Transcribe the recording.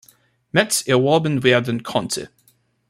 Metz“ erworben werden konnte.